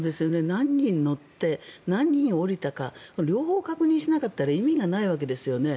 何人乗って何人降りたか両方確認しなかったら意味がないわけですよね。